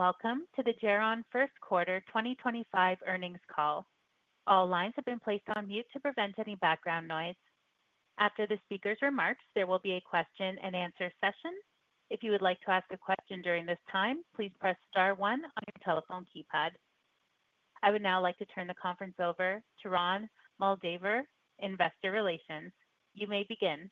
Hello, and welcome to the Geron First Quarter 2025 earnings call. All lines have been placed on mute to prevent any background noise. After the speakers are marked, there will be a question-and-answer session. If you would like to ask a question during this time, please press star one on your telephone keypad. I would now like to turn the conference over to Ron Moldaver, Investor Relations. You may begin.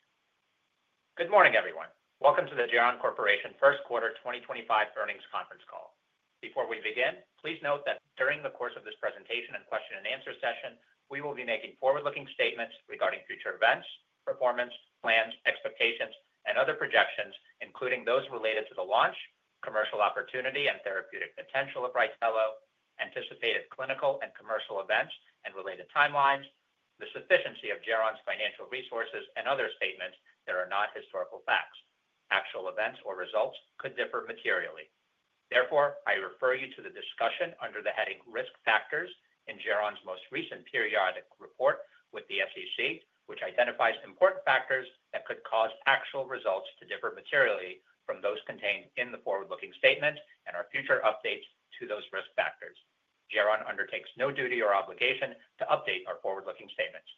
Good morning, everyone. Welcome to the Geron Corporation First Quarter 2025 earnings conference call. Before we begin, please note that during the course of this presentation and question-and-answer session, we will be making forward-looking statements regarding future events, performance, plans, expectations, and other projections, including those related to the launch, commercial opportunity, and therapeutic potential of RYTELO, anticipated clinical and commercial events and related timelines, the sufficiency of Geron's financial resources, and other statements that are not historical facts. Actual events or results could differ materially. Therefore, I refer you to the discussion under the heading Risk Factors in Geron's most recent periodic report with the SEC, which identifies important factors that could cause actual results to differ materially from those contained in the forward-looking statements and our future updates to those risk factors. Geron undertakes no duty or obligation to update our forward-looking statements.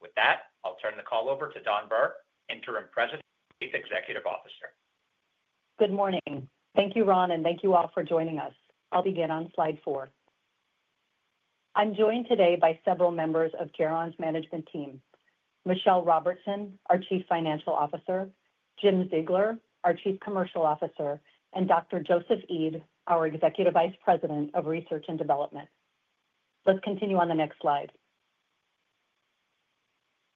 With that, I'll turn the call over to Dawn Burr, Interim President, Chief Executive Officer. Good morning. Thank you, Ron, and thank you all for joining us. I'll begin on slide four. I'm joined today by several members of Geron's management team: Michelle Robertson, our Chief Financial Officer; Jim Ziegler, our Chief Commercial Officer; and Dr. Joseph Eid, our Executive Vice President of Research and Development. Let's continue on the next slide.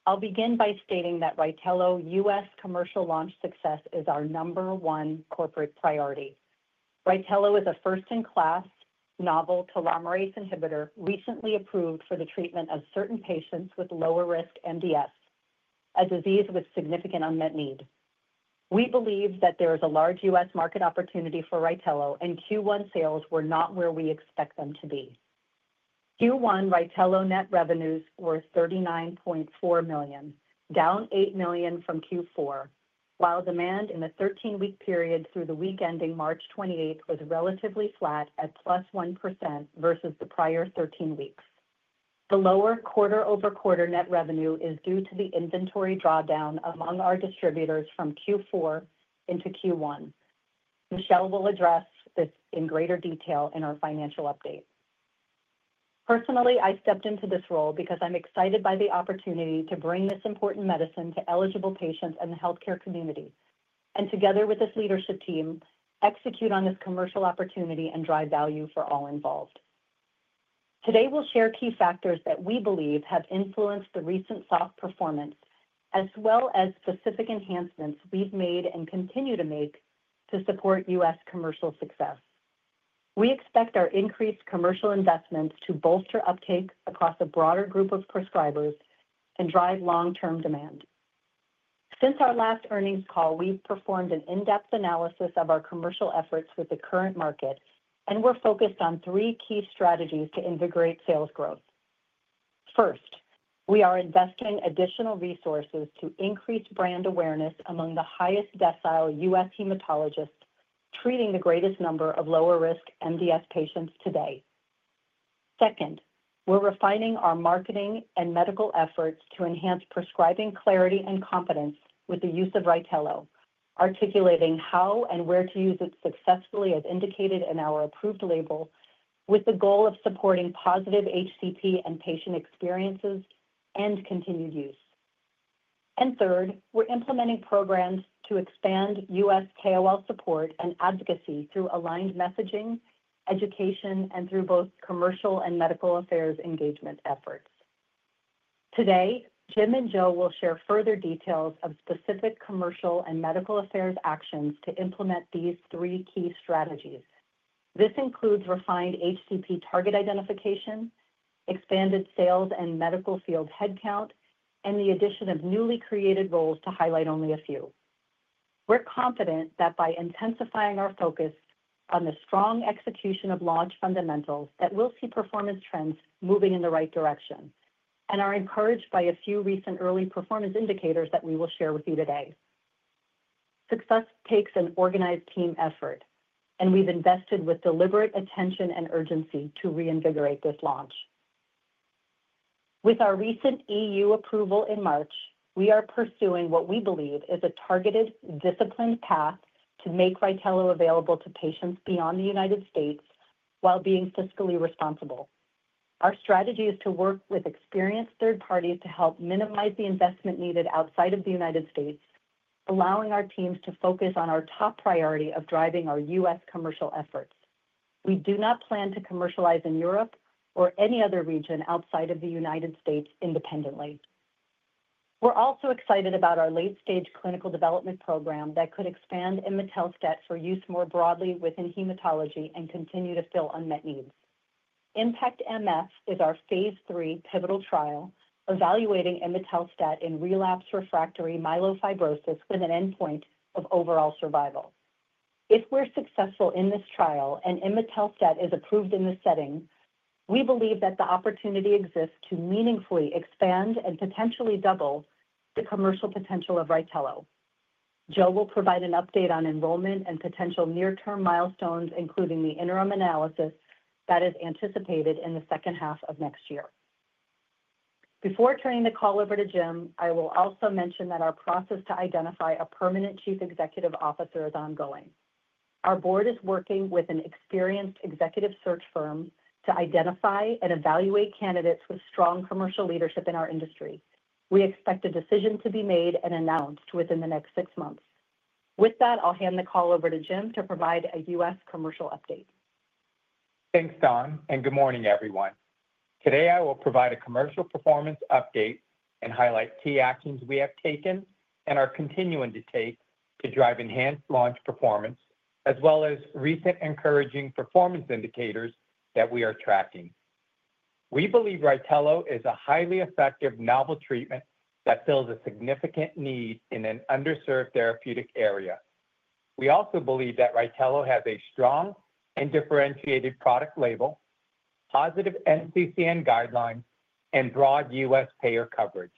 I'll begin by stating that RYTELO's U.S. commercial launch success is our number one corporate priority. RYTELO is a first-in-class novel telomerase inhibitor recently approved for the treatment of certain patients with lower-risk MDS, a disease with significant unmet need. We believe that there is a large U.S. market opportunity for RYTELO, and Q1 sales were not where we expect them to be. Q1 RYTELO net revenues were $39.4 million, down $8 million from Q4, while demand in the 13-week period through the week ending March 28 was relatively flat at +1% versus the prior 13 weeks. The lower quarter-over-quarter net revenue is due to the inventory drawdown among our distributors from Q4 into Q1. Michelle will address this in greater detail in our financial update. Personally, I stepped into this role because I'm excited by the opportunity to bring this important medicine to eligible patients and the healthcare community, and together with this leadership team, execute on this commercial opportunity and drive value for all involved. Today, we'll share key factors that we believe have influenced the recent soft performance, as well as specific enhancements we've made and continue to make to support U.S. commercial success. We expect our increased commercial investments to bolster uptake across a broader group of prescribers and drive long-term demand. Since our last earnings call, we've performed an in-depth analysis of our commercial efforts with the current market, and we're focused on three key strategies to invigorate sales growth. First, we are investing additional resources to increase brand awareness among the highest decile U.S. hematologists treating the greatest number of lower-risk MDS patients today. Second, we're refining our marketing and medical efforts to enhance prescribing clarity and competence with the use of RYTELO, articulating how and where to use it successfully as indicated in our approved label, with the goal of supporting positive HCP and patient experiences and continued use. Third, we're implementing programs to expand U.S. KOL support and advocacy through aligned messaging, education, and through both commercial and medical affairs engagement efforts. Today, Jim and Joe will share further details of specific commercial and medical affairs actions to implement these three key strategies. This includes refined HCP target identification, expanded sales and medical field headcount, and the addition of newly created roles to highlight only a few. We're confident that by intensifying our focus on the strong execution of launch fundamentals, we'll see performance trends moving in the right direction, and are encouraged by a few recent early performance indicators that we will share with you today. Success takes an organized team effort, and we've invested with deliberate attention and urgency to reinvigorate this launch. With our recent EU approval in March, we are pursuing what we believe is a targeted, disciplined path to make RYTELO available to patients beyond the United States while being fiscally responsible. Our strategy is to work with experienced third parties to help minimize the investment needed outside of the U.S., allowing our teams to focus on our top priority of driving our U.S. commercial efforts. We do not plan to commercialize in Europe or any other region outside of the U.S. independently. We're also excited about our late-stage clinical development program that could expand imetelstat for use more broadly within hematology and continue to fill unmet needs. IMPACT-MF is our phase three pivotal trial evaluating imetelstat in relapsed refractory myelofibrosis with an endpoint of overall survival. If we're successful in this trial and imetelstat is approved in the setting, we believe that the opportunity exists to meaningfully expand and potentially double the commercial potential of RYTELO. Joe will provide an update on enrollment and potential near-term milestones, including the interim analysis that is anticipated in the second half of next year. Before turning the call over to Jim, I will also mention that our process to identify a permanent Chief Executive Officer is ongoing. Our board is working with an experienced executive search firm to identify and evaluate candidates with strong commercial leadership in our industry. We expect a decision to be made and announced within the next six months. With that, I'll hand the call over to Jim to provide a U.S. commercial update. Thanks, Dawn, and good morning, everyone. Today, I will provide a commercial performance update and highlight key actions we have taken and are continuing to take to drive enhanced launch performance, as well as recent encouraging performance indicators that we are tracking. We believe RYTELO is a highly effective novel treatment that fills a significant need in an underserved therapeutic area. We also believe that RYTELO has a strong and differentiated product label, positive NCCN guidelines, and broad U.S. payer coverage.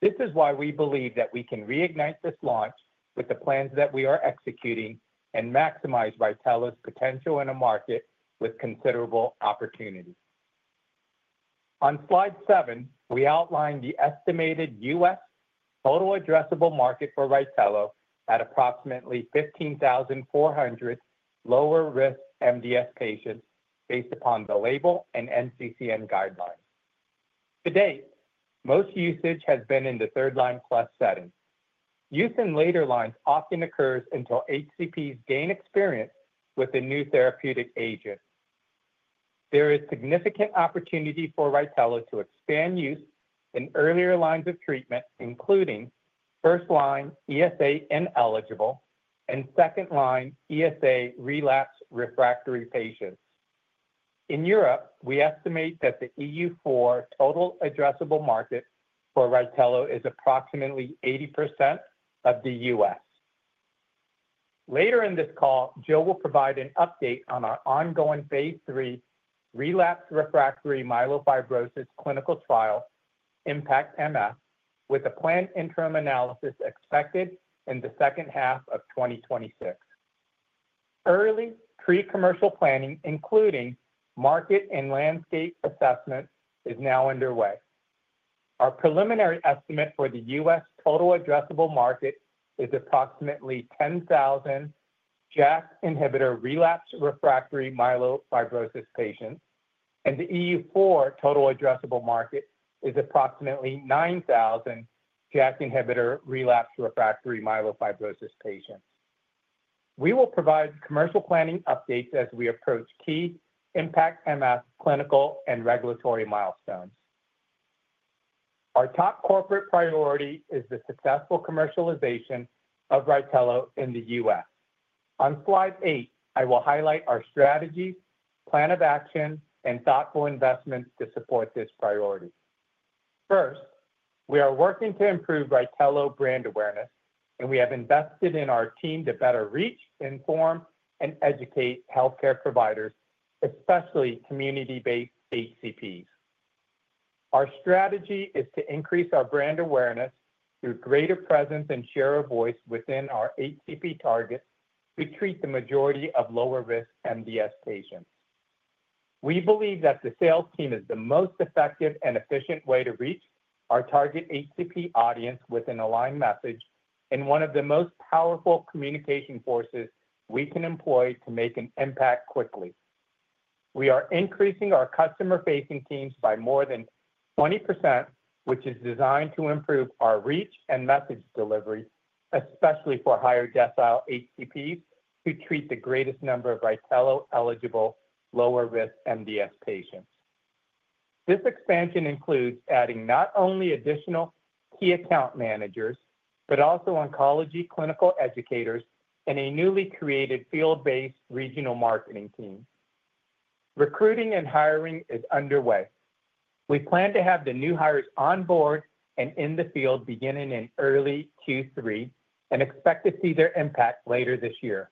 This is why we believe that we can reignite this launch with the plans that we are executing and maximize RYTELO's potential in a market with considerable opportunity. On slide seven, we outline the estimated U.S. total addressable market for RYTELO at approximately 15,400 lower-risk MDS patients based upon the label and NCCN guidelines. To date, most usage has been in the third-line plus setting. Use in later lines often occurs until HCPs gain experience with a new therapeutic agent. There is significant opportunity for RYTELO to expand use in earlier lines of treatment, including first-line ESA ineligible and second-line ESA relapsed refractory patients. In Europe, we estimate that the EU4 total addressable market for RYTELO is approximately 80% of the U.S. Later in this call, Joe will provide an update on our ongoing phase three relapsed refractory myelofibrosis clinical trial, IMPACT-MF, with a planned interim analysis expected in the second half of 2026. Early pre-commercial planning, including market and landscape assessment, is now underway. Our preliminary estimate for the U.S. total addressable market is approximately 10,000 JAK inhibitor relapsed refractory myelofibrosis patients, and the EU4 total addressable market is approximately 9,000 JAK inhibitor relapsed refractory myelofibrosis patients. We will provide commercial planning updates as we approach key IMPACT-MF clinical and regulatory milestones. Our top corporate priority is the successful commercialization of RYTELO in the U.S. On slide eight, I will highlight our strategies, plan of action, and thoughtful investments to support this priority. First, we are working to improve RYTELO brand awareness, and we have invested in our team to better reach, inform, and educate healthcare providers, especially community-based HCPs. Our strategy is to increase our brand awareness through greater presence and share of voice within our HCP target to treat the majority of lower-risk MDS patients. We believe that the sales team is the most effective and efficient way to reach our target HCP audience with an aligned message and one of the most powerful communication forces we can employ to make an impact quickly. We are increasing our customer-facing teams by more than 20%, which is designed to improve our reach and message delivery, especially for higher decile HCPs who treat the greatest number of RYTELO eligible lower-risk MDS patients. This expansion includes adding not only additional key account managers, but also oncology clinical educators and a newly created field-based regional marketing team. Recruiting and hiring is underway. We plan to have the new hires on board and in the field beginning in early Q3 and expect to see their impact later this year.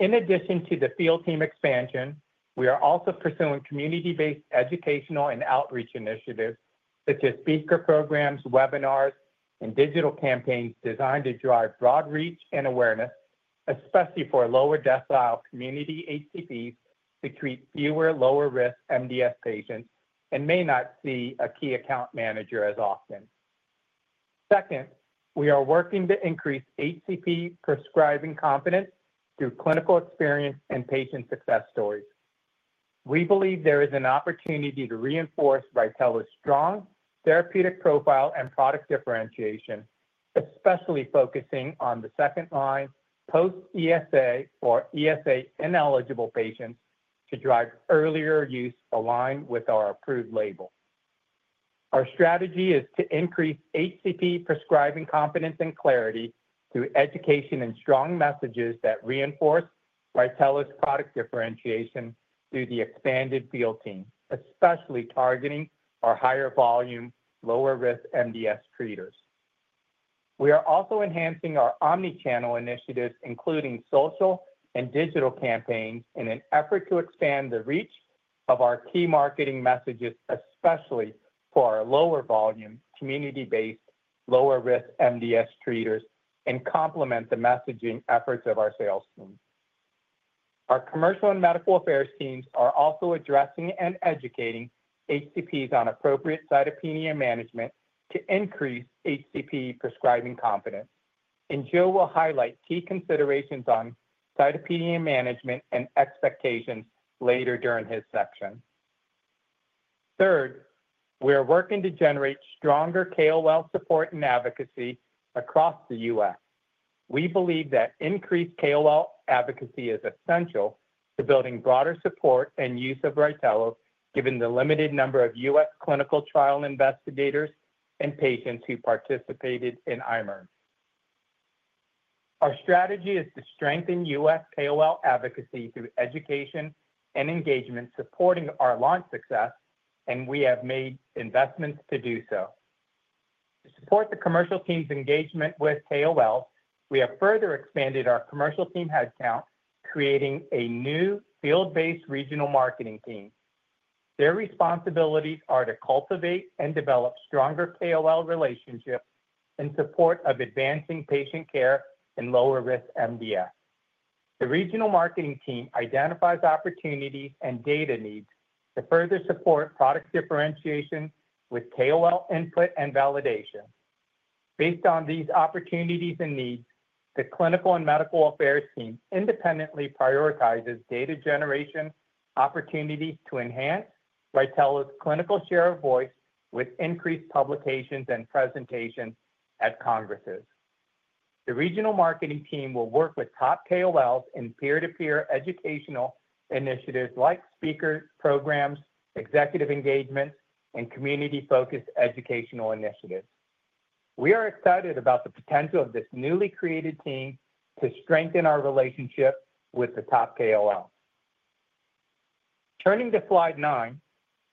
In addition to the field team expansion, we are also pursuing community-based educational and outreach initiatives such as speaker programs, webinars, and digital campaigns designed to drive broad reach and awareness, especially for lower decile community HCPs who treat fewer lower-risk MDS patients and may not see a key account manager as often. Second, we are working to increase HCP prescribing confidence through clinical experience and patient success stories. We believe there is an opportunity to reinforce RYTELO's strong therapeutic profile and product differentiation, especially focusing on the second-line post-ESA or ESA ineligible patients to drive earlier use aligned with our approved label. Our strategy is to increase HCP prescribing confidence and clarity through education and strong messages that reinforce RYTELO's product differentiation through the expanded field team, especially targeting our higher volume, lower-risk MDS treaters. We are also enhancing our omnichannel initiatives, including social and digital campaigns, in an effort to expand the reach of our key marketing messages, especially for our lower volume, community-based, lower-risk MDS treaters and complement the messaging efforts of our sales team. Our commercial and medical affairs teams are also addressing and educating HCPs on appropriate cytopenia management to increase HCP prescribing confidence. Joe will highlight key considerations on cytopenia management and expectations later during his section. Third, we are working to generate stronger KOL support and advocacy across the U.S. We believe that increased KOL advocacy is essential to building broader support and use of RYTELO, given the limited number of U.S. clinical trial investigators and patients who participated in IMerge. Our strategy is to strengthen U.S. KOL advocacy through education and engagement supporting our launch success, and we have made investments to do so. To support the commercial team's engagement with KOL, we have further expanded our commercial team headcount, creating a new field-based regional marketing team. Their responsibilities are to cultivate and develop stronger KOL relationships in support of advancing patient care in lower-risk MDS. The regional marketing team identifies opportunities and data needs to further support product differentiation with KOL input and validation. Based on these opportunities and needs, the clinical and medical affairs team independently prioritizes data generation opportunities to enhance RYTELO's clinical share of voice with increased publications and presentations at congresses. The regional marketing team will work with top KOLs in peer-to-peer educational initiatives like speaker programs, executive engagements, and community-focused educational initiatives. We are excited about the potential of this newly created team to strengthen our relationship with the top KOL. Turning to slide nine,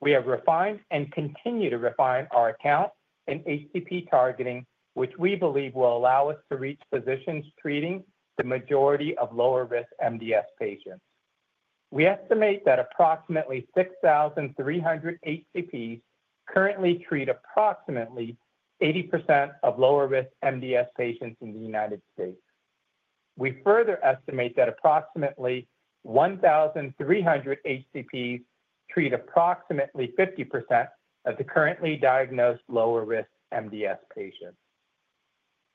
we have refined and continue to refine our account and HCP targeting, which we believe will allow us to reach physicians treating the majority of lower-risk MDS patients. We estimate that approximately 6,300 HCPs currently treat approximately 80% of lower-risk MDS patients in the United States. We further estimate that approximately 1,300 HCPs treat approximately 50% of the currently diagnosed lower-risk MDS patients.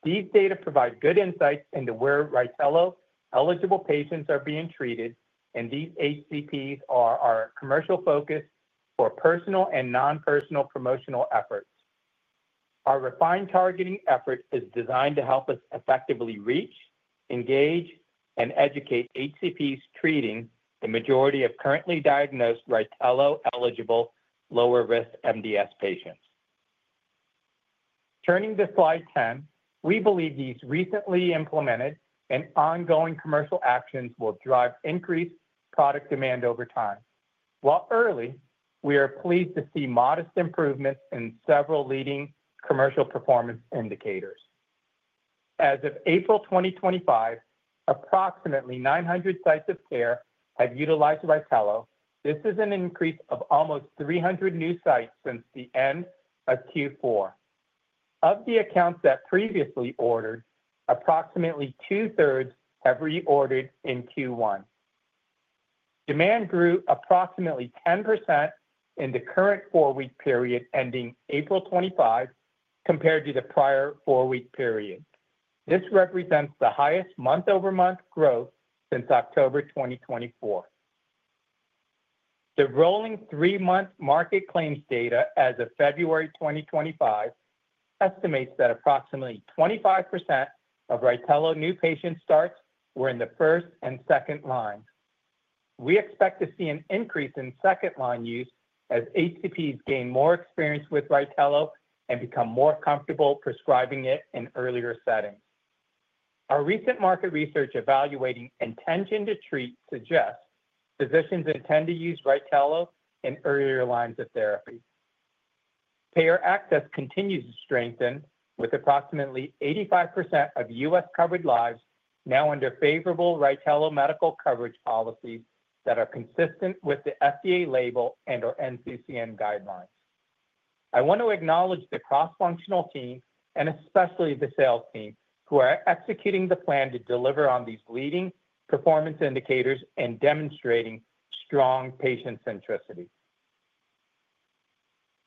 These data provide good insights into where RYTELO eligible patients are being treated, and these HCPs are our commercial focus for personal and non-personal promotional efforts. Our refined targeting effort is designed to help us effectively reach, engage, and educate HCPs treating the majority of currently diagnosed RYTELO eligible lower-risk MDS patients. Turning to slide 10, we believe these recently implemented and ongoing commercial actions will drive increased product demand over time. While early, we are pleased to see modest improvements in several leading commercial performance indicators. As of April 2025, approximately 900 sites of care have utilized RYTELO. This is an increase of almost 300 new sites since the end of Q4. Of the accounts that previously ordered, approximately two-thirds have reordered in Q1. Demand grew approximately 10% in the current four-week period ending April 25 compared to the prior four-week period. This represents the highest month-over-month growth since October 2024. The rolling three-month market claims data as of February 2025 estimates that approximately 25% of RYTELO new patient starts were in the first and second line. We expect to see an increase in second-line use as HCPs gain more experience with RYTELO and become more comfortable prescribing it in earlier settings. Our recent market research evaluating intention to treat suggests physicians intend to use RYTELO in earlier lines of therapy. Payer access continues to strengthen, with approximately 85% of U.S. covered lives now under favorable RYTELO medical coverage policies that are consistent with the FDA label and/or NCCN guidelines. I want to acknowledge the cross-functional team, and especially the sales team, who are executing the plan to deliver on these leading performance indicators and demonstrating strong patient centricity.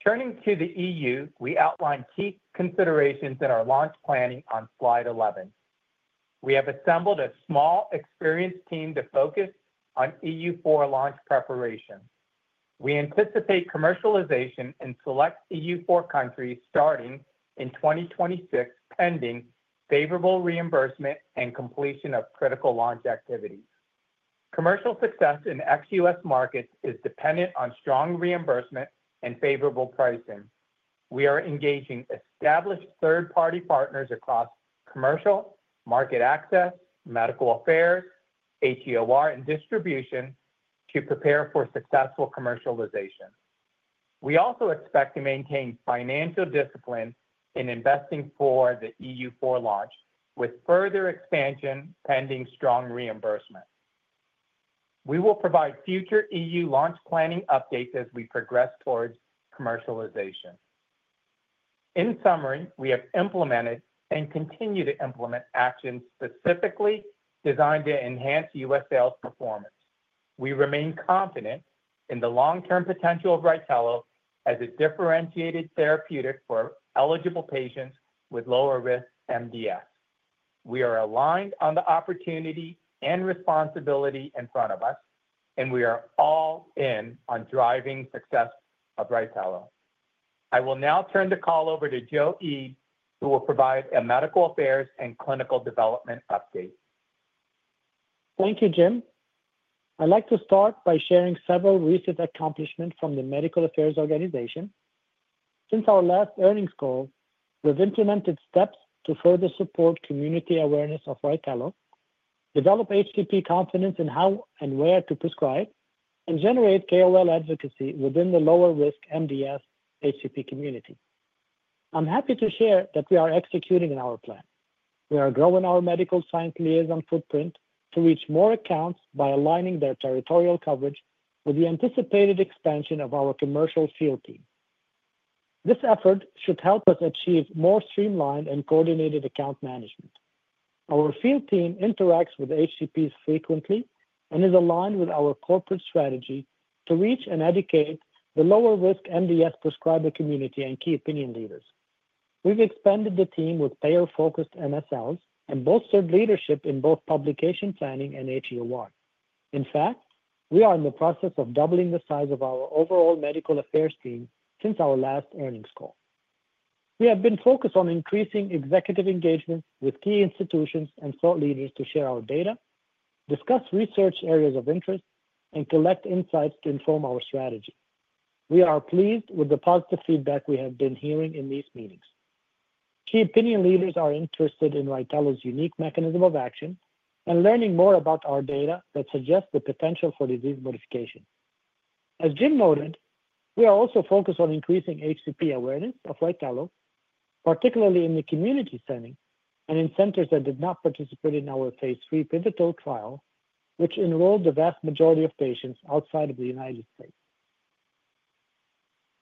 Turning to the EU, we outline key considerations in our launch planning on slide 11. We have assembled a small experienced team to focus on EU4 launch preparation. We anticipate commercialization in select EU4 countries starting in 2026, pending favorable reimbursement and completion of critical launch activities. Commercial success in ex-U.S. markets is dependent on strong reimbursement and favorable pricing. We are engaging established third-party partners across commercial, market access, medical affairs, HEOR, and distribution to prepare for successful commercialization. We also expect to maintain financial discipline in investing for the EU4 launch, with further expansion pending strong reimbursement. We will provide future EU launch planning updates as we progress towards commercialization. In summary, we have implemented and continue to implement actions specifically designed to enhance U.S. sales performance. We remain confident in the long-term potential of RYTELO as a differentiated therapeutic for eligible patients with lower-risk MDS. We are aligned on the opportunity and responsibility in front of us, and we are all in on driving success of RYTELO. I will now turn the call over to Joe Eid, who will provide a medical affairs and clinical development update. Thank you, Jim. I'd like to start by sharing several recent accomplishments from the medical affairs organization. Since our last earnings call, we've implemented steps to further support community awareness of RYTELO, develop HCP confidence in how and where to prescribe, and generate KOL advocacy within the lower-risk MDS HCP community. I'm happy to share that we are executing our plan. We are growing our medical science liaison footprint to reach more accounts by aligning their territorial coverage with the anticipated expansion of our commercial field team. This effort should help us achieve more streamlined and coordinated account management. Our field team interacts with HCPs frequently and is aligned with our corporate strategy to reach and educate the lower-risk MDS prescriber community and key opinion leaders. We've expanded the team with payer-focused MSLs and bolstered leadership in both publication planning and HEOR. In fact, we are in the process of doubling the size of our overall medical affairs team since our last earnings call. We have been focused on increasing executive engagement with key institutions and thought leaders to share our data, discuss research areas of interest, and collect insights to inform our strategy. We are pleased with the positive feedback we have been hearing in these meetings. Key opinion leaders are interested in RYTELO's unique mechanism of action and learning more about our data that suggests the potential for disease modification. As Jim noted, we are also focused on increasing HCP awareness of RYTELO, particularly in the community setting and in centers that did not participate in our phase three pivotal trial, which enrolled the vast majority of patients outside of the U.S.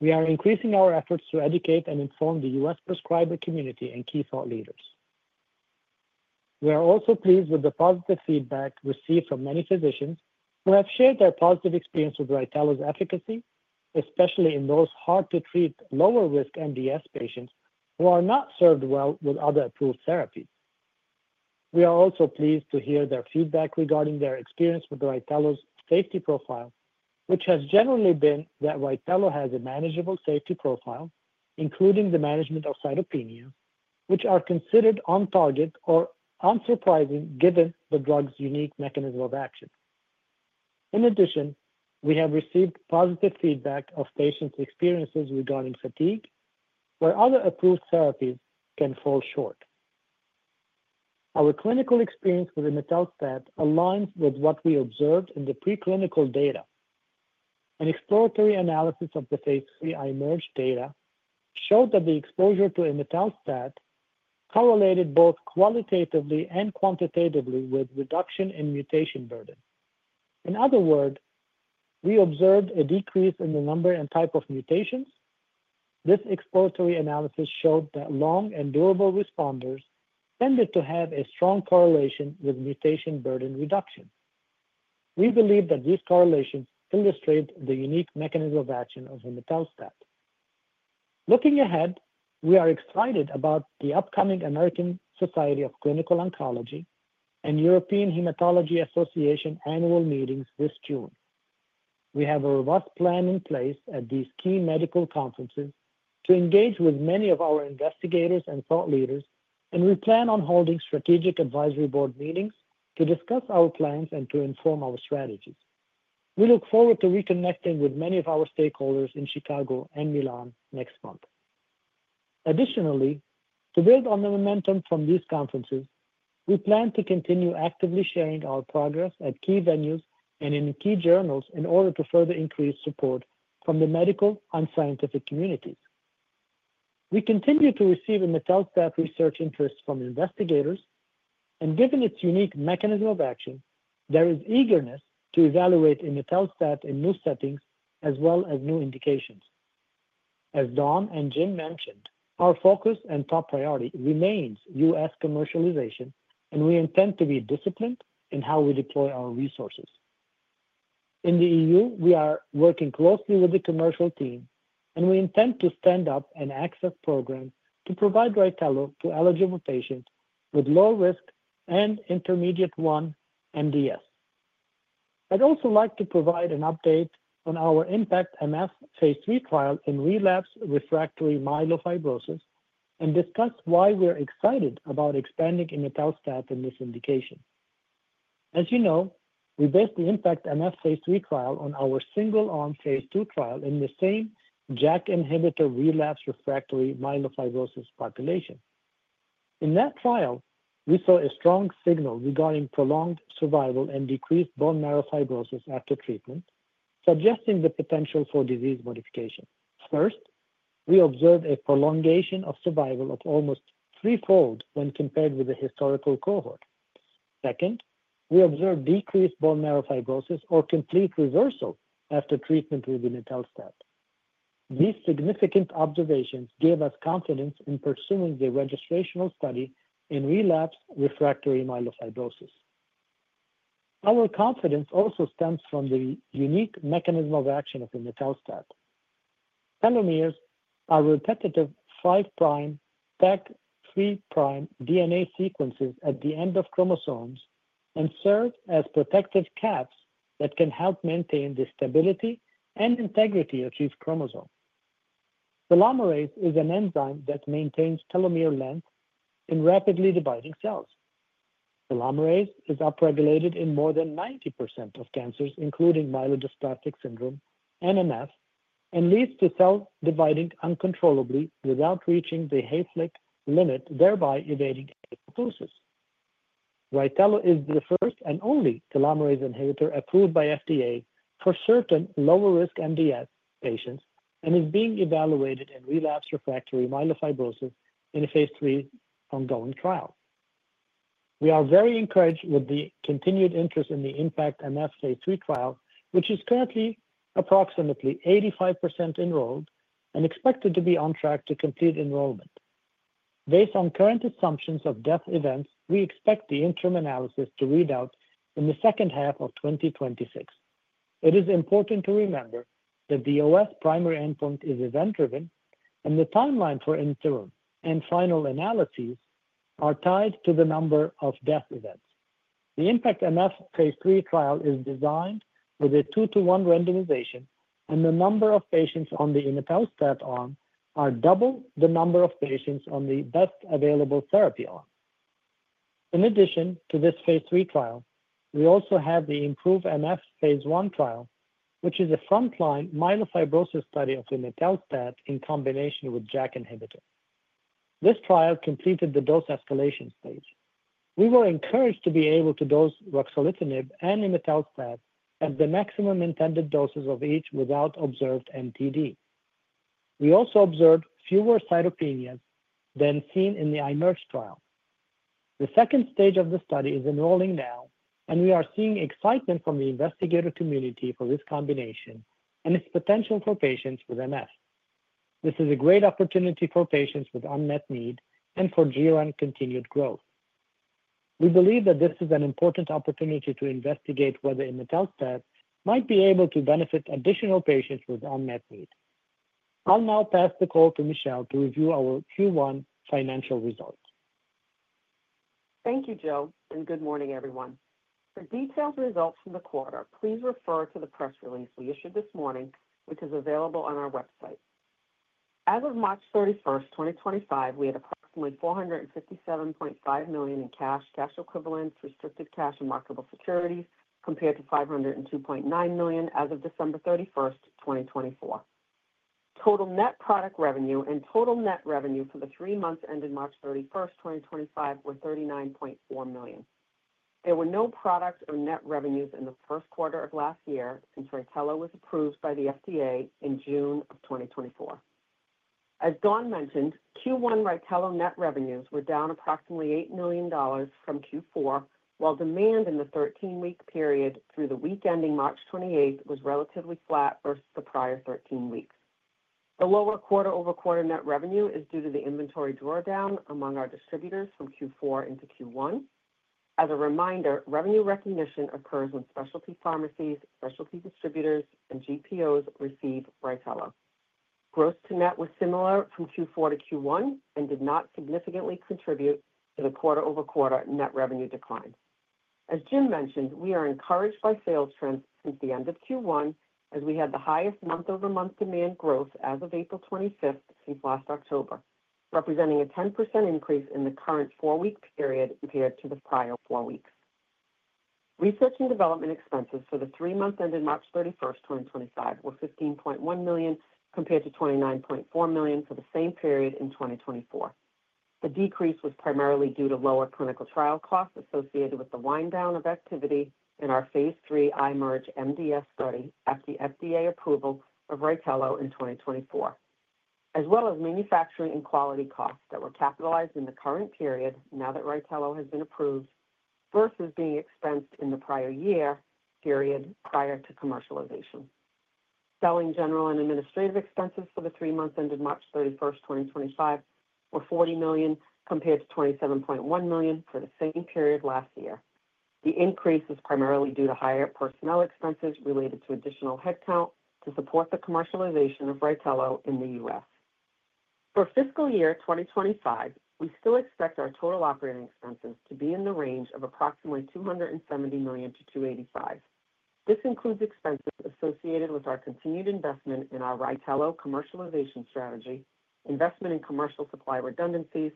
We are increasing our efforts to educate and inform the U.S. prescriber community and key thought leaders. We are also pleased with the positive feedback received from many physicians who have shared their positive experience with RYTELO's efficacy, especially in those hard-to-treat lower-risk MDS patients who are not served well with other approved therapies. We are also pleased to hear their feedback regarding their experience with RYTELO's safety profile, which has generally been that RYTELO has a manageable safety profile, including the management of cytopenias, which are considered on target or unsurprising given the drug's unique mechanism of action. In addition, we have received positive feedback of patients' experiences regarding fatigue, where other approved therapies can fall short. Our clinical experience with imetelstat aligns with what we observed in the preclinical data. An exploratory analysis of the phase 3 IMerge data showed that the exposure to imetelstat correlated both qualitatively and quantitatively with reduction in mutation burden. In other words, we observed a decrease in the number and type of mutations. This exploratory analysis showed that long and durable responders tended to have a strong correlation with mutation burden reduction. We believe that these correlations illustrate the unique mechanism of action of imetelstat. Looking ahead, we are excited about the upcoming American Society of Clinical Oncology and European Hematology Association annual meetings this June. We have a robust plan in place at these key medical conferences to engage with many of our investigators and thought leaders, and we plan on holding strategic advisory board meetings to discuss our plans and to inform our strategies. We look forward to reconnecting with many of our stakeholders in Chicago and Milan next month. Additionally, to build on the momentum from these conferences, we plan to continue actively sharing our progress at key venues and in key journals in order to further increase support from the medical and scientific communities. We continue to receive imetelstat research interests from investigators, and given its unique mechanism of action, there is eagerness to evaluate imetelstat in new settings as well as new indications. As Dawn and Jim mentioned, our focus and top priority remains U.S. commercialization, and we intend to be disciplined in how we deploy our resources. In the EU, we are working closely with the commercial team, and we intend to stand up an access program to provide RYTELO to eligible patients with low-risk and intermediate-1 MDS. I'd also like to provide an update on our IMPACT-MF phase 3 trial in relapsed refractory myelofibrosis and discuss why we're excited about expanding imetelstat in this indication. As you know, we based the IMPACT-MF phase 3 trial on our single-arm phase 2 trial in the same JAK inhibitor relapsed refractory myelofibrosis population. In that trial, we saw a strong signal regarding prolonged survival and decreased bone marrow fibrosis after treatment, suggesting the potential for disease modification. First, we observed a prolongation of survival of almost threefold when compared with the historical cohort. Second, we observed decreased bone marrow fibrosis or complete reversal after treatment with imetelstat. These significant observations gave us confidence in pursuing the registrational study in relapsed refractory myelofibrosis. Our confidence also stems from the unique mechanism of action of imetelstat. Telomeres are repetitive five-prime to three-prime DNA sequences at the end of chromosomes and serve as protective caps that can help maintain the stability and integrity of these chromosomes. Telomerase is an enzyme that maintains telomere length in rapidly dividing cells. Telomerase is upregulated in more than 90% of cancers, including myelodysplastic syndrome and MDS, and leads to cells dividing uncontrollably without reaching the Hayflick limit, thereby evading apoptosis. RYTELO is the first and only telomerase inhibitor approved by FDA for certain lower-risk MDS patients and is being evaluated in relapsed refractory myelofibrosis in a phase three ongoing trial. We are very encouraged with the continued interest in the IMPACT-MF phase 3 trial, which is currently approximately 85% enrolled and expected to be on track to complete enrollment. Based on current assumptions of death events, we expect the interim analysis to read out in the second half of 2026. It is important to remember that the OS primary endpoint is event-driven, and the timeline for interim and final analyses are tied to the number of death events. The IMPACT-MF phase 3 trial is designed with a two-to-one randomization, and the number of patients on the imetelstat arm are double the number of patients on the best available therapy arm. In addition to this phase 3 trial, we also have the IMPROVE-MF phase 1 trial, which is a frontline myelofibrosis study of imetelstat in combination with JAK inhibitor. This trial completed the dose escalation stage. We were encouraged to be able to dose ruxolitinib and imetelstat at the maximum intended doses of each without observed MTD. We also observed fewer cytopenias than seen in the IMerge trial. The second stage of the study is enrolling now, and we are seeing excitement from the investigator community for this combination and its potential for patients with MDS. This is a great opportunity for patients with unmet need and for Geron continued growth. We believe that this is an important opportunity to investigate whether imetelstat might be able to benefit additional patients with unmet need. I'll now pass the call to Michelle to review our Q1 financial results. Thank you, Joe, and good morning, everyone. For detailed results from the quarter, please refer to the press release we issued this morning, which is available on our website. As of March 31, 2025, we had approximately $457.5 million in cash, cash equivalents, restricted cash, and marketable securities compared to $502.9 million as of December 31, 2024. Total net product revenue and total net revenue for the three months ending March 31, 2025, were $39.4 million. There were no product or net revenues in the first quarter of last year since RYTELO was approved by the FDA in June of 2024. As Dawn mentioned, Q1 RYTELO net revenues were down approximately $8 million from Q4, while demand in the 13-week period through the week ending March 28 was relatively flat versus the prior 13 weeks. The lower quarter-over-quarter net revenue is due to the inventory drawdown among our distributors from Q4 into Q1. As a reminder, revenue recognition occurs when specialty pharmacies, specialty distributors, and GPOs receive RYTELO. Gross-to-net was similar from Q4 to Q1 and did not significantly contribute to the quarter-over-quarter net revenue decline. As Jim mentioned, we are encouraged by sales trends since the end of Q1, as we had the highest month-over-month demand growth as of April 25 since last October, representing a 10% increase in the current four-week period compared to the prior four weeks. Research and development expenses for the three months ending March 31, 2025, were $15.1 million compared to $29.4 million for the same period in 2024. The decrease was primarily due to lower clinical trial costs associated with the wind down of activity in our phase three IMerge MDS study after FDA approval of RYTELO in 2024, as well as manufacturing and quality costs that were capitalized in the current period now that RYTELO has been approved versus being expensed in the prior year period prior to commercialization. Selling, general and administrative expenses for the three months ending March 31, 2025, were $40 million compared to $27.1 million for the same period last year. The increase is primarily due to higher personnel expenses related to additional headcount to support the commercialization of RYTELO in the U.S. For fiscal year 2025, we still expect our total operating expenses to be in the range of approximately $270 million-$285 million. This includes expenses associated with our continued investment in our RYTELO commercialization strategy, investment in commercial supply redundancies,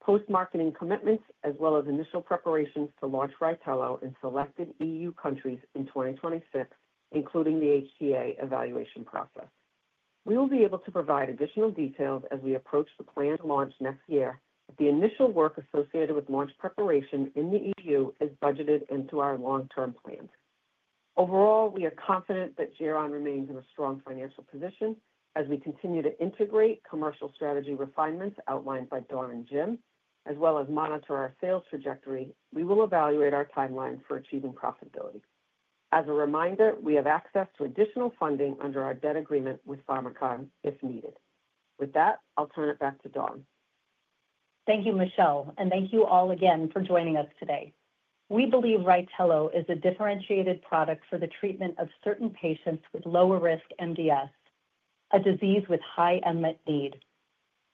post-marketing commitments, as well as initial preparations to launch RYTELO in selected EU countries in 2026, including the HTA evaluation process. We will be able to provide additional details as we approach the planned launch next year if the initial work associated with launch preparation in the EU is budgeted into our long-term plans. Overall, we are confident that Geron remains in a strong financial position. As we continue to integrate commercial strategy refinements outlined by Dawn and Jim, as well as monitor our sales trajectory, we will evaluate our timeline for achieving profitability. As a reminder, we have access to additional funding under our debt agreement with Pharmakon if needed. With that, I'll turn it back to Dawn. Thank you, Michelle, and thank you all again for joining us today. We believe RYTELO is a differentiated product for the treatment of certain patients with lower-risk MDS, a disease with high unmet need.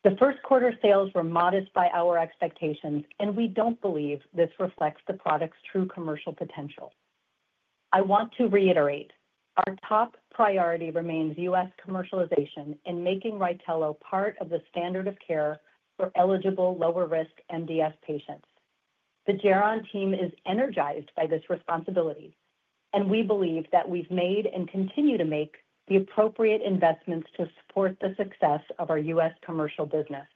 The first quarter sales were modest by our expectations, and we don't believe this reflects the product's true commercial potential. I want to reiterate, our top priority remains U.S. commercialization in making RYTELO part of the standard of care for eligible lower-risk MDS patients. The Geron team is energized by this responsibility, and we believe that we've made and continue to make the appropriate investments to support the success of our U.S. commercial business.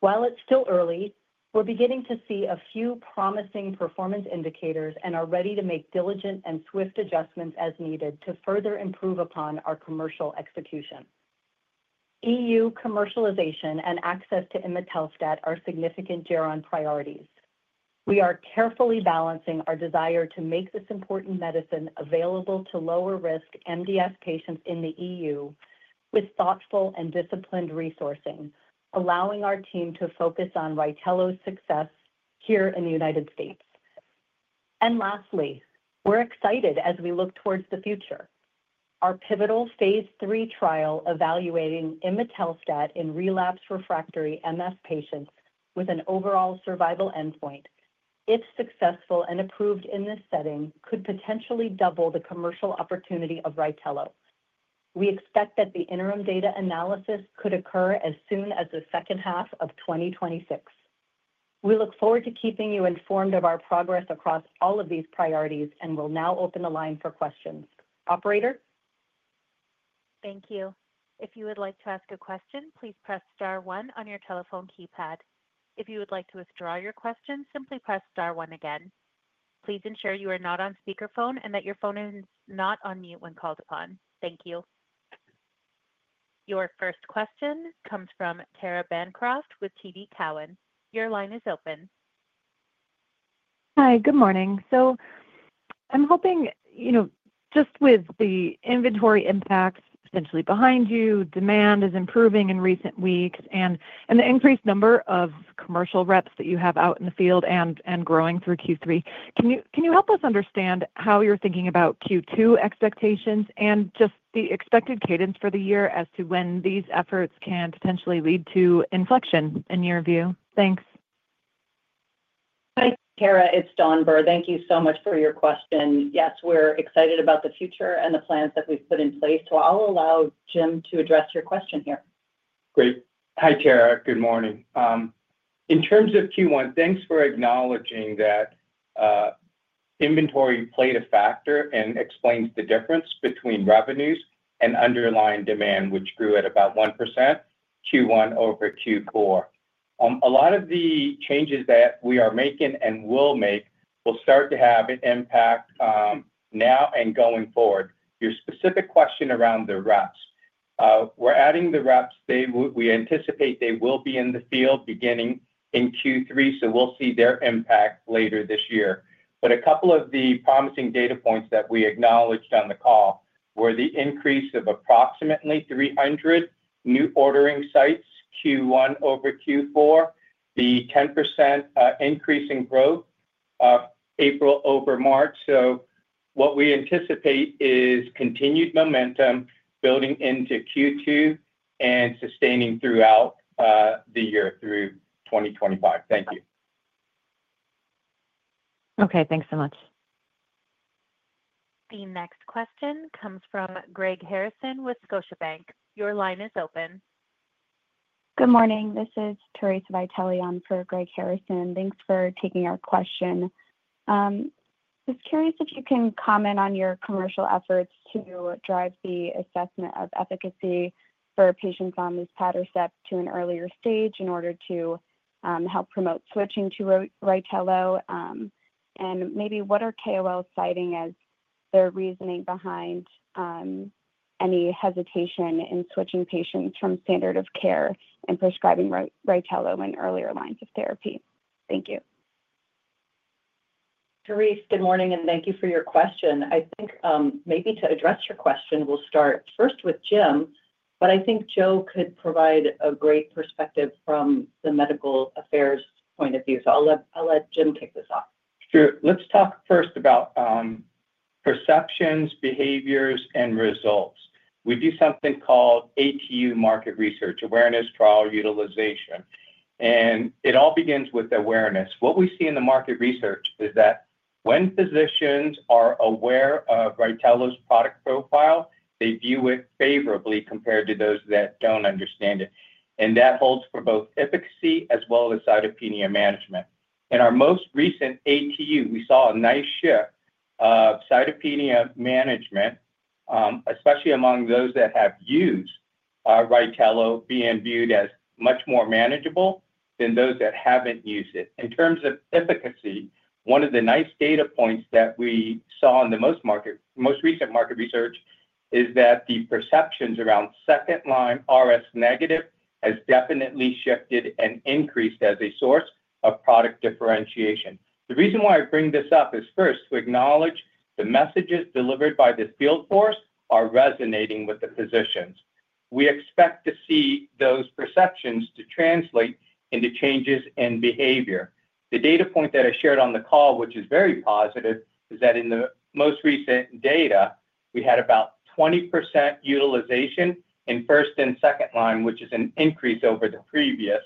While it's still early, we're beginning to see a few promising performance indicators and are ready to make diligent and swift adjustments as needed to further improve upon our commercial execution. EU commercialization and access to imetelstat are significant Geron priorities. We are carefully balancing our desire to make this important medicine available to lower-risk MDS patients in the EU with thoughtful and disciplined resourcing, allowing our team to focus on RYTELO's success here in the United States. Lastly, we're excited as we look towards the future. Our pivotal phase 3 trial evaluating imetelstat in relapsed refractory MF patients with an overall survival endpoint, if successful and approved in this setting, could potentially double the commercial opportunity of RYTELO. We expect that the interim data analysis could occur as soon as the second half of 2026. We look forward to keeping you informed of our progress across all of these priorities and will now open the line for questions. Operator? Thank you. If you would like to ask a question, please press star one on your telephone keypad. If you would like to withdraw your question, simply press star one again. Please ensure you are not on speakerphone and that your phone is not on mute when called upon. Thank you. Your first question comes from Tara A. Bancroft with TD Cowen. Your line is open. Hi, good morning. I'm hoping, you know, just with the inventory impacts essentially behind you, demand is improving in recent weeks, and the increased number of commercial reps that you have out in the field and growing through Q3, can you help us understand how you're thinking about Q2 expectations and just the expected cadence for the year as to when these efforts can potentially lead to inflection in your view? Thanks. Hi, Tara, it's Dawn Burr. Thank you so much for your question. Yes, we're excited about the future and the plans that we've put in place. I'll allow Jim to address your question here. Great. Hi, Tara. Good morning. In terms of Q1, thanks for acknowledging that inventory played a factor and explains the difference between revenues and underlying demand, which grew at about 1% Q1 over Q4. A lot of the changes that we are making and will make will start to have an impact now and going forward. Your specific question around the reps, we're adding the reps. We anticipate they will be in the field beginning in Q3, so we'll see their impact later this year. A couple of the promising data points that we acknowledged on the call were the increase of approximately 300 new ordering sites Q1 over Q4, the 10% increase in growth of April over March. What we anticipate is continued momentum building into Q2 and sustaining throughout the year through 2025. Thank you. Okay, thanks so much. The next question comes from Greg Harrison with Scotiabank. Your line is open. Good morning. This is Teraesa Vitelli on for Greg Harrison. Thanks for taking our question. Just curious if you can comment on your commercial efforts to drive the assessment of efficacy for patients on this luspatercept to an earlier stage in order to help promote switching to RYTELO. And maybe what are KOLs citing as their reasoning behind any hesitation in switching patients from standard of care and prescribing RYTELO in earlier lines of therapy? Thank you. Therese, good morning, and thank you for your question. I think maybe to address your question, we'll start first with Jim, but I think Joe could provide a great perspective from the medical affairs point of view. So I'll let Jim kick this off. Sure. Let's talk first about perceptions, behaviors, and results. We do something called ATU market research, awareness, trial utilization. And it all begins with awareness. What we see in the market research is that when physicians are aware of RYTELO's product profile, they view it favorably compared to those that do not understand it. That holds for both efficacy as well as cytopenia management. In our most recent ATU, we saw a nice shift of cytopenia management, especially among those that have used RYTELO being viewed as much more manageable than those that have not used it. In terms of efficacy, one of the nice data points that we saw in the most recent market research is that the perceptions around second-line RS negative has definitely shifted and increased as a source of product differentiation. The reason why I bring this up is first to acknowledge the messages delivered by the field force are resonating with the physicians. We expect to see those perceptions translate into changes in behavior. The data point that I shared on the call, which is very positive, is that in the most recent data, we had about 20% utilization in first and second line, which is an increase over the previous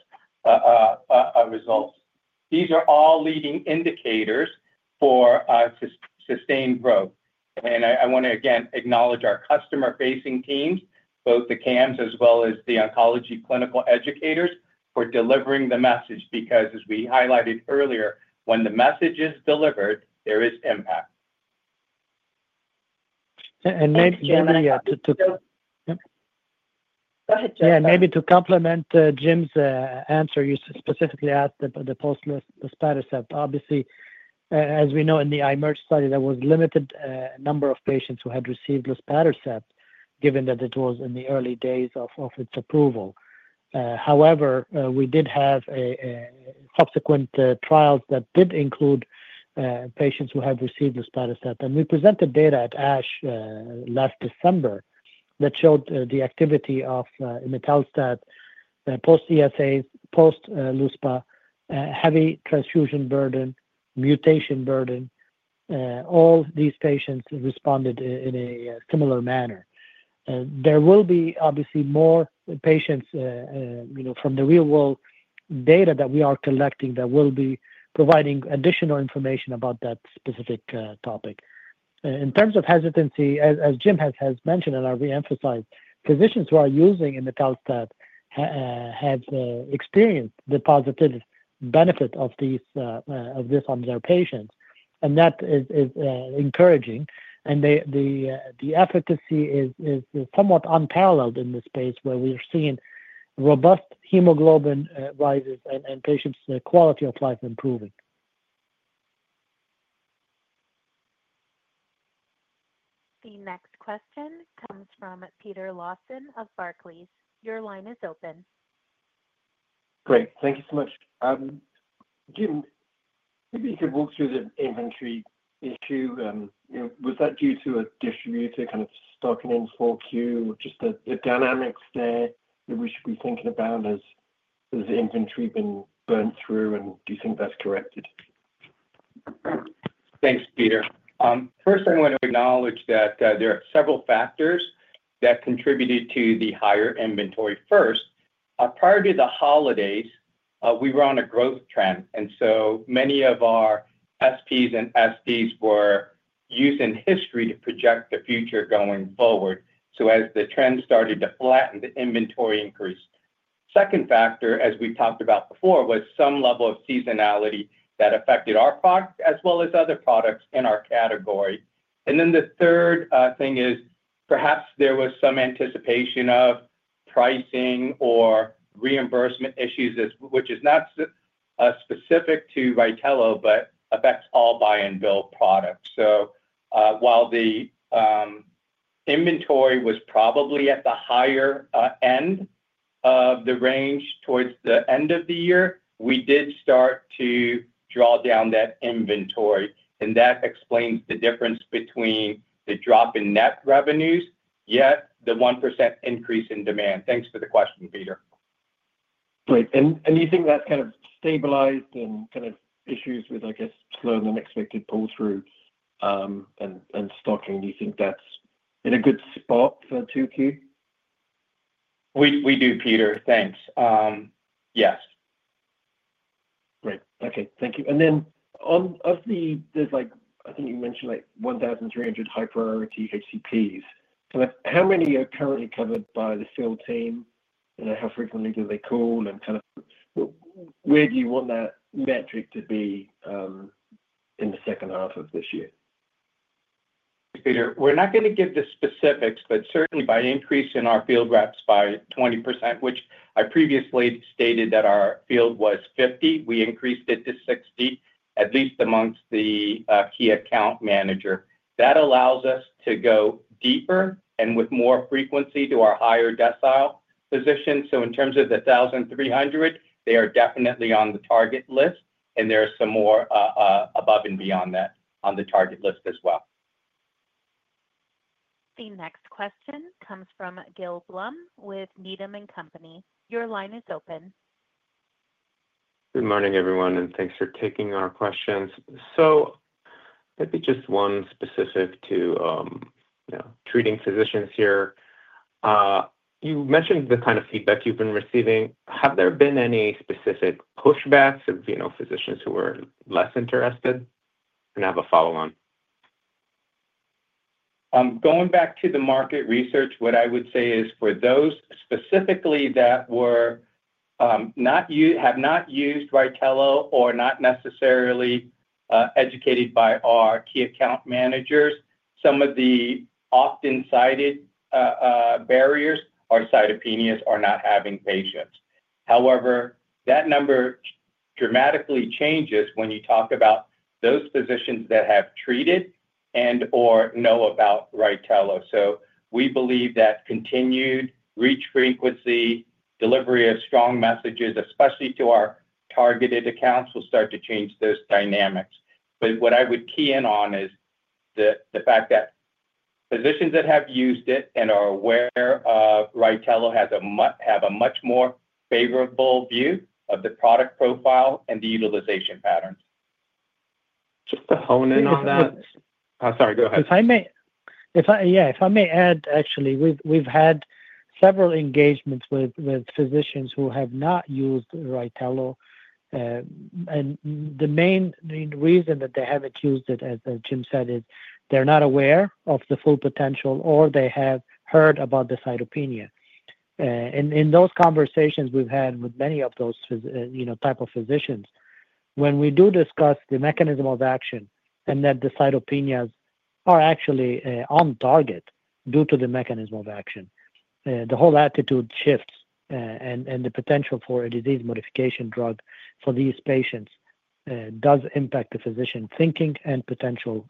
results. These are all leading indicators for sustained growth. I want to, again, acknowledge our customer-facing teams, both the CAMs as well as the oncology clinical educators for delivering the message, because as we highlighted earlier, when the message is delivered, there is impact. Maybe to— Go ahead, Joe. Yeah, maybe to complement Jim's answer, you specifically asked the post-luspatercept. Obviously, as we know in the IMerge study, there was a limited number of patients who had received luspatercept, given that it was in the early days of its approval. However, we did have subsequent trials that did include patients who had received luspatercept. We presented data at ASH last December that showed the activity of imetelstat post-ESAs, post-luspatercept, heavy transfusion burden, mutation burden. All these patients responded in a similar manner. There will be obviously more patients from the real-world data that we are collecting that will be providing additional information about that specific topic. In terms of hesitancy, as Jim has mentioned and I reemphasized, physicians who are using imetelstat have experienced the positive benefit of this on their patients. That is encouraging. The efficacy is somewhat unparalleled in this space where we are seeing robust hemoglobin rises and patients' quality of life improving. The next question comes from Peter Lawson of Barclays. Your line is open. Great. Thank you so much. Jim, maybe if you could walk through the inventory issue. Was that due to a distributor kind of stocking in for Q? Just the dynamics there that we should be thinking about as the inventory has been burnt through, and do you think that's corrected? Thanks, Peter. First, I want to acknowledge that there are several factors that contributed to the higher inventory. First, prior to the holidays, we were on a growth trend. Many of our SPs and SDs were used in history to project the future going forward. As the trend started to flatten, the inventory increased. The second factor, as we talked about before, was some level of seasonality that affected our product as well as other products in our category. The third thing is perhaps there was some anticipation of pricing or reimbursement issues, which is not specific to RYTELO, but affects all buy-and-bill products. While the inventory was probably at the higher end of the range towards the end of the year, we did start to draw down that inventory. That explains the difference between the drop in net revenues, yet the 1% increase in demand. Thanks for the question, Peter. Great. You think that's kind of stabilized in kind of issues with, I guess, slowing the expected pull-through and stocking? Do you think that's in a good spot for Q2? We do, Peter. Thanks. Yes. Great. Okay. Thank you. Then of the, I think you mentioned 1,300 high-priority HCPs. How many are currently covered by the field team? How frequently do they call? Where do you want that metric to be in the second half of this year? Peter, we're not going to give the specifics, but certainly by increasing our field reps by 20%, which I previously stated that our field was 50, we increased it to 60, at least amongst the key account manager. That allows us to go deeper and with more frequency to our higher decile position. In terms of the 1,300, they are definitely on the target list. There are some more above and beyond that on the target list as well. The next question comes from Gil Blum with Needham & Company. Your line is open. Good morning, everyone. Thanks for taking our questions. Maybe just one specific to treating physicians here. You mentioned the kind of feedback you've been receiving. Have there been any specific pushbacks of physicians who were less interested and have a follow-on? Going back to the market research, what I would say is for those specifically that have not used RYTELO or not necessarily educated by our key account managers, some of the often-cited barriers are cytopenias or not having patients. However, that number dramatically changes when you talk about those physicians that have treated and/or know about RYTELO. We believe that continued reach frequency, delivery of strong messages, especially to our targeted accounts, will start to change those dynamics. What I would key in on is the fact that physicians that have used it and are aware of RYTELO have a much more favorable view of the product profile and the utilization patterns. Just to hone in on that. I'm sorry, go ahead. Yeah, if I may add, actually, we've had several engagements with physicians who have not used RYTELO. The main reason that they haven't used it, as Jim said, is they're not aware of the full potential or they have heard about the cytopenia. In those conversations we've had with many of those types of physicians, when we do discuss the mechanism of action and that the cytopenias are actually on target due to the mechanism of action, the whole attitude shifts. The potential for a disease modification drug for these patients does impact the physician thinking and potential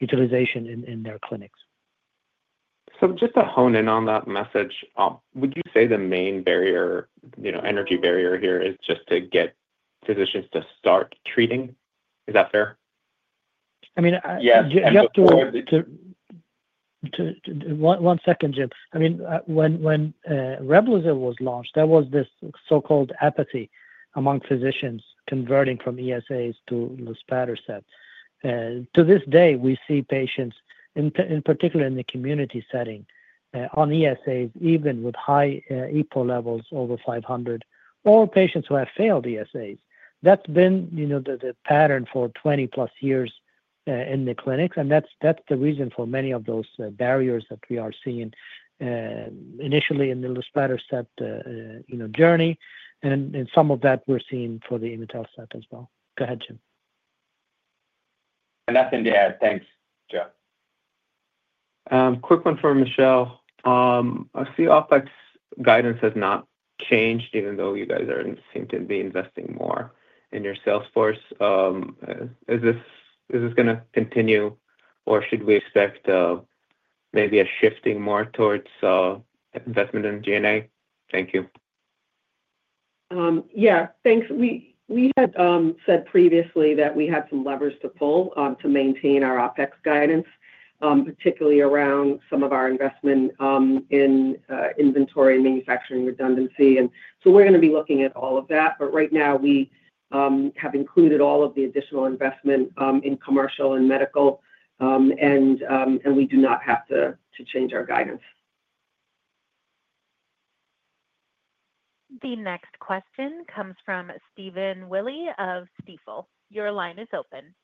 utilization in their clinics. Just to hone in on that message, would you say the main barrier, energy barrier here, is just to get physicians to start treating? Is that fair? I mean, you have to—one second, Jim. I mean, when REBLOZYL was launched, there was this so-called apathy among physicians converting from ESAs to luspatercept. To this day, we see patients, in particular in the community setting, on ESAs, even with high EPO levels over 500, or patients who have failed ESAs. That's been the pattern for 20-plus years in the clinics. That is the reason for many of those barriers that we are seeing initially in the luspatercept journey. Some of that we are seeing for the imetelstat as well. Go ahead, Jim. Nothing to add. Thanks, Joe. Quick one for Michelle. I see OpEx guidance has not changed, even though you guys seem to be investing more in your sales force. Is this going to continue, or should we expect maybe a shifting more towards investment in G&A? Thank you. Yeah, thanks. We had said previously that we had some levers to pull to maintain our OpEx guidance, particularly around some of our investment in inventory and manufacturing redundancy. We are going to be looking at all of that. Right now, we have included all of the additional investment in commercial and medical, and we do not have to change our guidance. The next question comes from Stephen Willey of Stifel. Your line is open.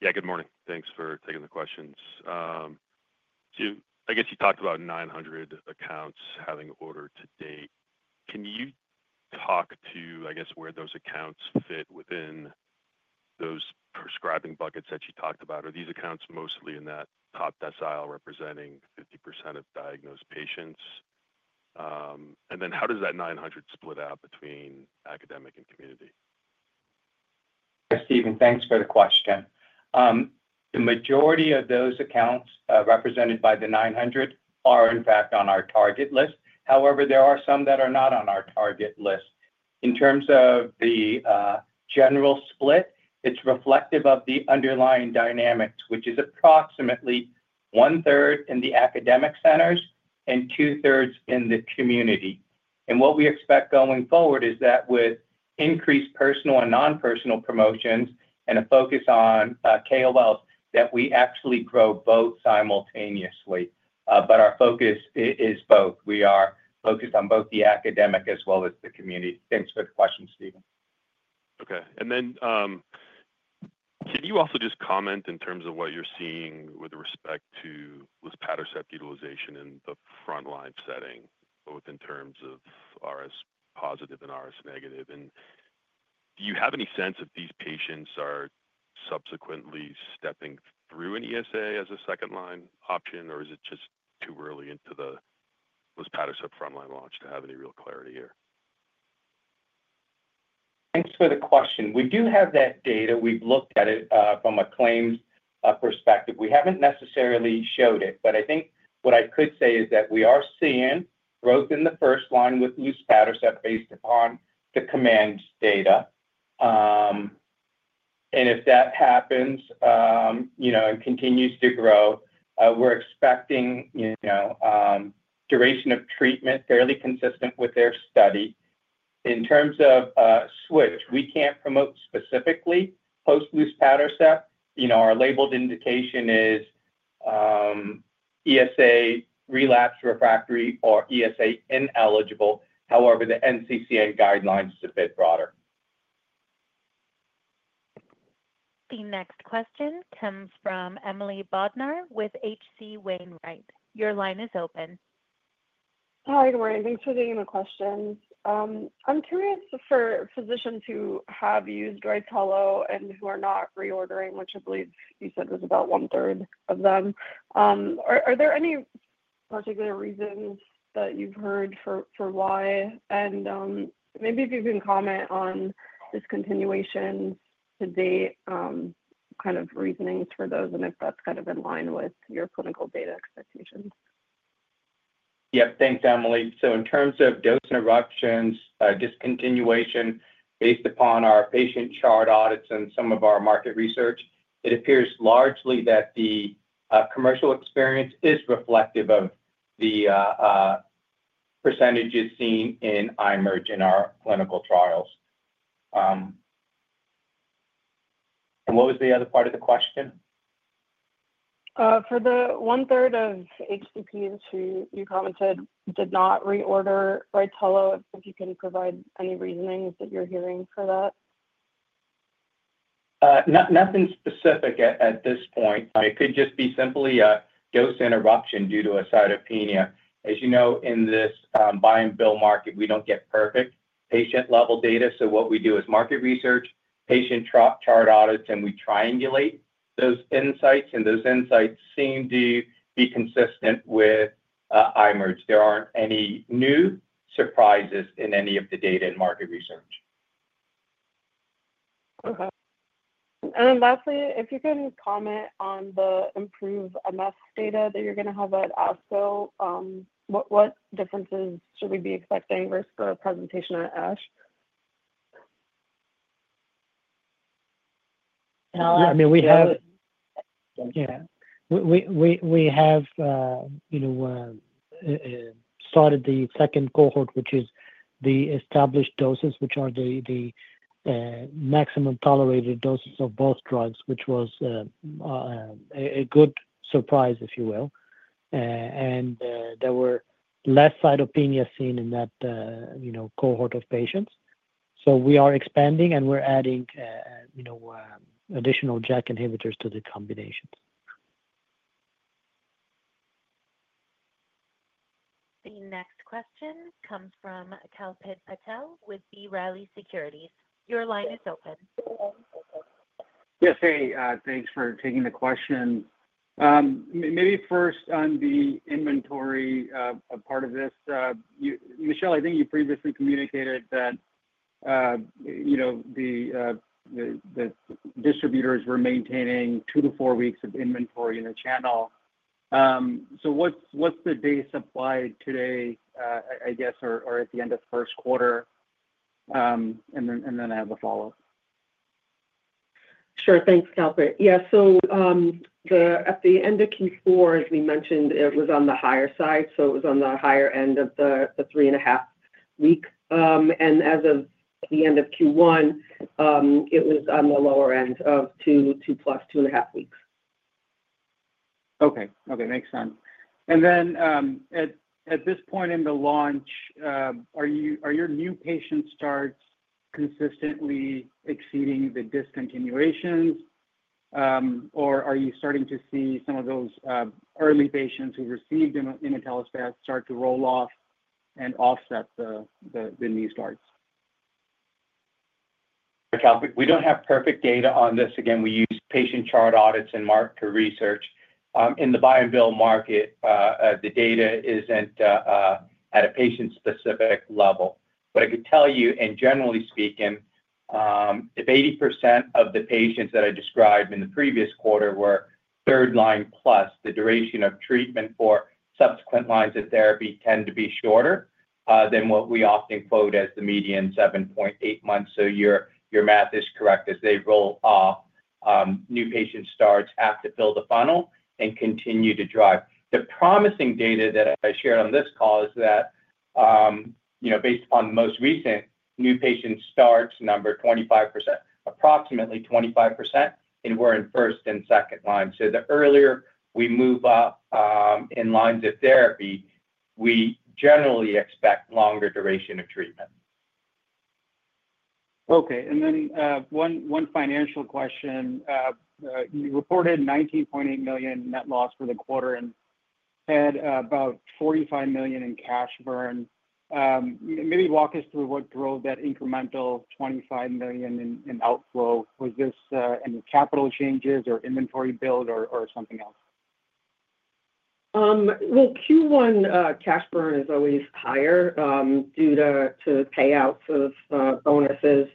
Yeah, good morning. Thanks for taking the questions. I guess you talked about 900 accounts having ordered to date. Can you talk to, I guess, where those accounts fit within those prescribing buckets that you talked about? Are these accounts mostly in that top decile representing 50% of diagnosed patients? How does that 900 split out between academic and community? Thanks, Stephen. Thanks for the question. The majority of those accounts represented by the 900 are, in fact, on our target list. However, there are some that are not on our target list. In terms of the general split, it's reflective of the underlying dynamics, which is approximately one-third in the academic centers and two-thirds in the community. What we expect going forward is that with increased personal and non-personal promotions and a focus on KOLs, that we actually grow both simultaneously. Our focus is both. We are focused on both the academic as well as the community. Thanks for the question, Stephen. Okay. Can you also just comment in terms of what you're seeing with respect to luspatercept utilization in the front-line setting, both in terms of RS positive and RS negative? Do you have any sense if these patients are subsequently stepping through an ESA as a second-line option, or is it just too early into the luspatercept front-line launch to have any real clarity here? Thanks for the question. We do have that data. We've looked at it from a claims perspective. We haven't necessarily showed it. I think what I could say is that we are seeing growth in the first line with luspatercept based upon the COMMAND data. If that happens and continues to grow, we're expecting duration of treatment fairly consistent with their study. In terms of switch, we can't promote specifically post-luspatercept. Our labeled indication is ESA relapse refractory or ESA ineligible. However, the NCCN guidelines are a bit broader. The next question comes from Emily Bodnar with H.C. Wainwright. Your line is open. Hi, good morning. Thanks for taking the question. I'm curious for physicians who have used RYTELO and who are not reordering, which I believe you said was about one-third of them. Are there any particular reasons that you've heard for why? Maybe if you can comment on discontinuations to date, kind of reasonings for those, and if that's kind of in line with your clinical data expectations. Yep. Thanks, Emily. In terms of dose interruptions, discontinuation based upon our patient chart audits and some of our market research, it appears largely that the commercial experience is reflective of the percentages seen in IMerge in our clinical trials. What was the other part of the question? For the one-third of HCPs who you commented did not reorder RYTELO, if you can provide any reasonings that you're hearing for that? Nothing specific at this point. It could just be simply a dose interruption due to a cytopenia. As you know, in this buy-and-bill market, we don't get perfect patient-level data. What we do is market research, patient chart audits, and we triangulate those insights. Those insights seem to be consistent with IMerge. There are not any new surprises in any of the data in market research. Okay. Lastly, if you can comment on the IMPROVE-MF data that you are going to have at ASCO, what differences should we be expecting versus the presentation at ASH? I mean, we have—yeah. We have started the second cohort, which is the established doses, which are the maximum tolerated doses of both drugs, which was a good surprise, if you will. There were less cytopenias seen in that cohort of patients. We are expanding, and we are adding additional JAK inhibitors to the combinations. The next question comes from Kalpit Patel with B Riley Securities. Your line is open. Yes, hey. Thanks for taking the question. Maybe first on the inventory part of this, Michelle, I think you previously communicated that the distributors were maintaining two to four weeks of inventory in the channel. What's the day supply today, I guess, or at the end of first quarter? I have a follow-up. Sure. Thanks, Calpit. Yeah. At the end of Q4, as we mentioned, it was on the higher side. It was on the higher end of the three-and-a-half week. As of the end of Q1, it was on the lower end of two plus two-and-a-half weeks. Okay. Okay. Makes sense. At this point in the launch, are your new patient starts consistently exceeding the discontinuations, or are you starting to see some of those early patients who received imetelstat start to roll off and offset the new starts? Kalpit, we don't have perfect data on this. Again, we use patient chart audits and market research. In the buy-and-bill market, the data isn't at a patient-specific level. I could tell you, generally speaking, if 80% of the patients that I described in the previous quarter were third-line plus, the duration of treatment for subsequent lines of therapy tends to be shorter than what we often quote as the median 7.8 months. Your math is correct as they roll off, new patient starts have to fill the funnel and continue to drive. The promising data that I shared on this call is that based upon the most recent new patient starts number, approximately 25%, and we're in first and second line. The earlier we move up in lines of therapy, we generally expect longer duration of treatment. Okay. And then one financial question. You reported $19.8 million net loss for the quarter and had about $45 million in cash burn. Maybe walk us through what drove that incremental $25 million in outflow. Was this any capital changes or inventory build or something else? Q1 cash burn is always higher due to payouts of bonuses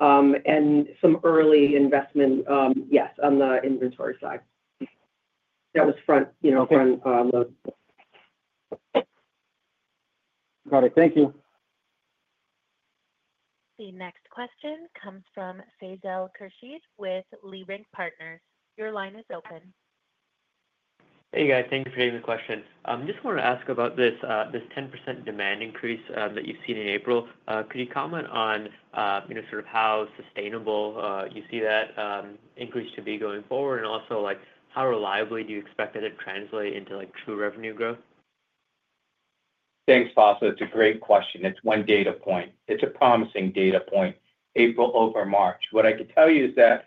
and some early investment, yes, on the inventory side. That was front load. Got it. Thank you. The next question comes from Faisal Khurshid with Leerink Partners. Your line is open. Hey, guys. Thank you for taking the question. I just wanted to ask about this 10% demand increase that you've seen in April. Could you comment on sort of how sustainable you see that increase to be going forward, and also how reliably do you expect that it translates into true revenue growth? Thanks, Faisal. It's a great question. It's one data point. It's a promising data point, April over March. What I could tell you is that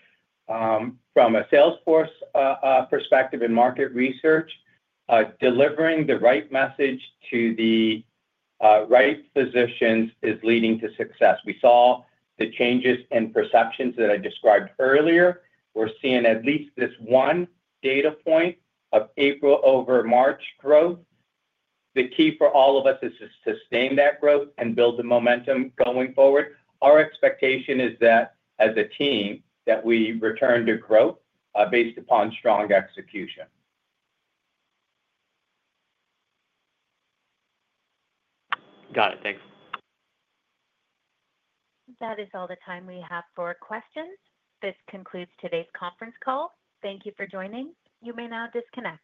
from a Salesforce perspective in market research, delivering the right message to the right physicians is leading to success. We saw the changes in perceptions that I described earlier. We're seeing at least this one data point of April over March growth. The key for all of us is to sustain that growth and build the momentum going forward. Our expectation is that as a team, that we return to growth based upon strong execution. Got it. Thanks. That is all the time we have for questions. This concludes today's conference call. Thank you for joining. You may now disconnect.